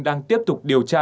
đang tiếp tục điều tra